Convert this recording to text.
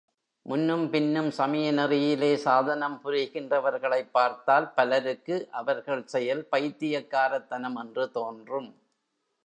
முன்னும் பின்னும் சமய நெறியிலே சாதனம் புரிகின்றவர்களைப் பார்த்தால் பலருக்கு அவர்கள் செயல் பைத்தியக்காரத்தனம் என்று தோன்றும்.